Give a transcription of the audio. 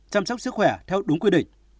chăm sóc sức khỏe theo đúng quy định